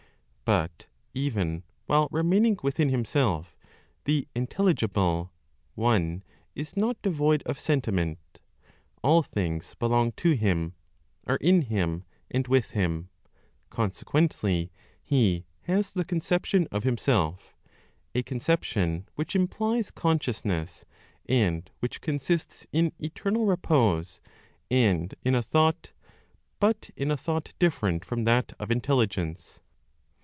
But even while remaining within Himself, the Intelligible (One) is not devoid of sentiment; all things belong to Him, are in Him, and with Him. Consequently, He has the conception of Himself, a conception which implies consciousness, and which consists in eternal repose, and in a thought, but in a thought different from that of intelligence.